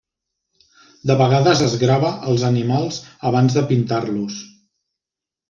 De vegades es grava els animals abans de pintar-los.